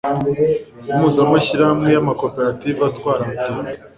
impuzamashyirahamwe y' amakoperative atwara abagenzi